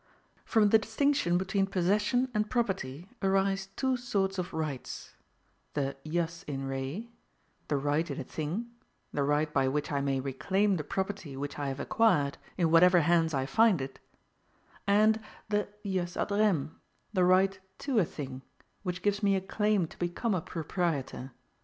From the distinction between possession and property arise two sorts of rights: the jus in re, the right in a thing, the right by which I may reclaim the property which I have acquired, in whatever hands I find it; and the jus ad rem, the right TO a thing, which gives me a claim to become a proprietor.